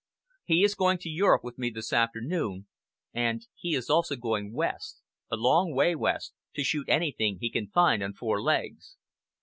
"He is going to Europe with me this afternoon and he is also going West, a long way west, to shoot anything he can find on four legs."